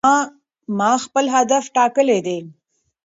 ما خپل هدف ټاکلی دی.